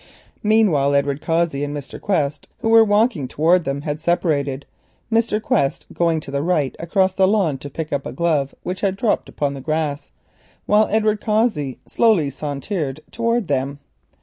Meanwhile Edward Cossey and Mr. Quest, who were walking up the garden, had separated, Mr. Quest going to the right across the lawn to pick up a glove which had dropped upon the grass, while Edward Cossey slowly sauntered towards them.